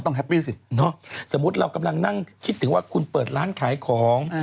แฮปปี้สิเนอะสมมุติเรากำลังนั่งคิดถึงว่าคุณเปิดร้านขายของ